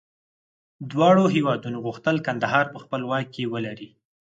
دواړو هېوادونو غوښتل کندهار په خپل واک کې ولري.